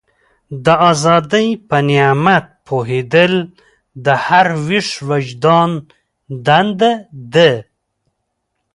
د ازادۍ په نعمت پوهېدل د هر ویښ وجدان دنده ده.